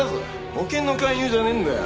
保険の勧誘じゃねえんだよ。